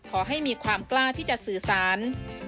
ขอให้มีความกล้าที่จะสื่อสาร